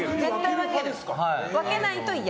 分けないと嫌？